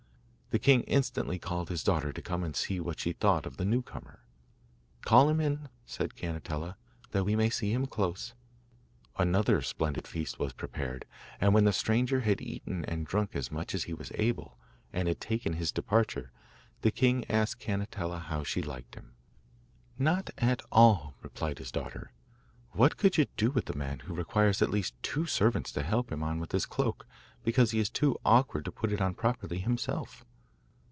The king instantly called his daughter to come and see what she thought of the new comer. 'Call him in,' said Cannetella, 'that we may see him close.' Another splendid feast was prepared, and when the stranger had eaten and drunk as much as he was able, and had taken his departure, the king asked Cannetella how she liked him. 'Not at all,' replied his daughter; 'what could you do with a man who requires at least two servants to help him on with his cloak, because he is too awkward to put it on properly himself?